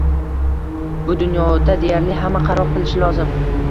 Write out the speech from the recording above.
Bu dunyoda deyarli hamma qaror qilishi lozim.